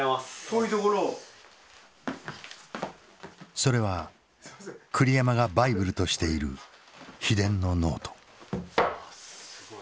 それは栗山がバイブルとしている秘伝のノート。